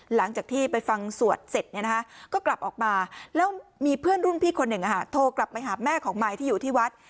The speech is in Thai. หลังจากที่ไปฟังสวดเสร็จก็กลับออกมาแล้วมีเพื่อนรุ่นพี่คนหนึ่งโทรกลับไปหาแม่ของมายที่อยู่ที่วัด